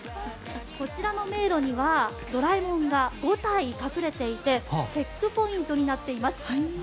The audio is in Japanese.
こちらの迷路にはドラえもんが５体隠れていてチェックポイントになっています。